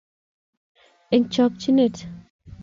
Eng chokchinet